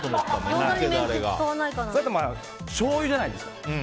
それだとしょうゆじゃないですか。